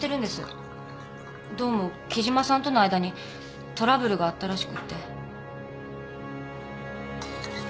どうも木島さんとの間にトラブルがあったらしくって。